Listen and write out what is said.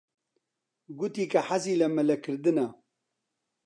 گوتی کە حەزی لە مەلەکردنە.